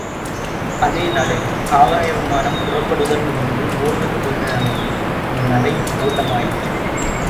அதே நடை... ஆகாய விமானம் புறப்படுவதற்கு முன்பு ஒடுவது போன்ற நடை... அந்த நடையும் ஓட்டமாயிற்று.